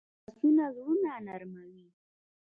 لاسونه زړونه نرموي